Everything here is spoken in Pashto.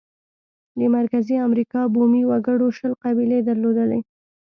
د مرکزي امریکا بومي وګړو شل قبیلې درلودې.